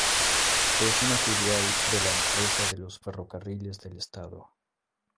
Es una filial de la Empresa de los Ferrocarriles del Estado.